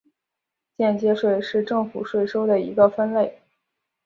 间接税是政府税收的一个分类。